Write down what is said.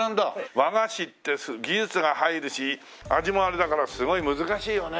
和菓子って技術が入るし味もあれだからすごい難しいよね